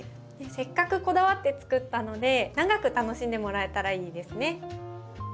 せっかくこだわって作ったので長く楽しんでもらえたらいいですね。